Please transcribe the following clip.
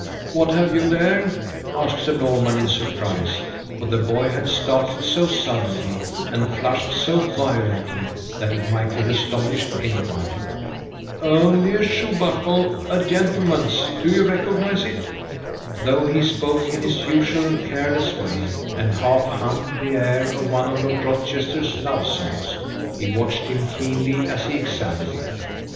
"What have you there?" asked Sir Norman in surprise; for the boy had started so suddenly, and flushed so violently, that it might have astonished any one. "Only a shoe buckle a gentleman's do you recognize it?" Though he spoke in his usual careless way, and half hummed the air of one of Lord Rochester's love songs, he watched him keenly as he examined it.